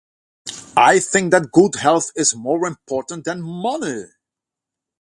I think that good health is more important than money.